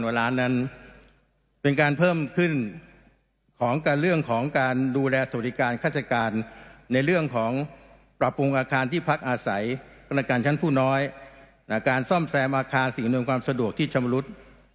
นั้นเป็นการเพิ่มขึ้นของการเรื่องของการดูแลสวัสดิการฆาติการในเรื่องของปรับปรุงอาคารที่พักอาศัยพนักงานชั้นผู้น้อยการซ่อมแซมอาคารสิ่งอำนวยความสะดวกที่ชำรุด